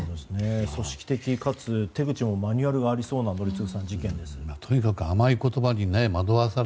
組織的かつ手口もマニュアルがありそうな事件ですね、宜嗣さん。